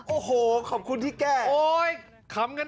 โอ้โหขอบคุณที่แก้